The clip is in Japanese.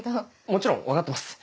もちろん分かってます